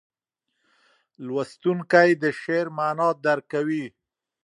لوستونکی د شعر معنا درک کوي.